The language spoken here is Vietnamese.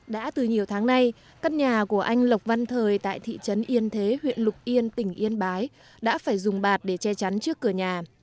đã từ nhiều tháng nay căn nhà của anh lộc văn thời tại thị trấn yên thế huyện lục yên tỉnh yên bái đã phải dùng bạt để che chắn trước cửa nhà